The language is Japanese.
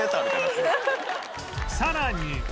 さらに